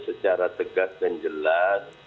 secara tegas dan jelas